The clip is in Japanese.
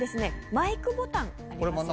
マイクボタンありますよね。